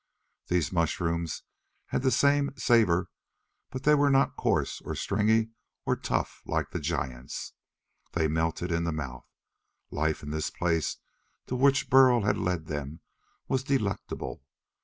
These mushrooms had the same savor, but they were not coarse or stringy or tough like the giants. They melted in the mouth; Life in this place to which Burl had led them was delectable!